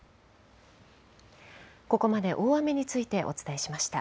ここまで大雨についてお伝えしました。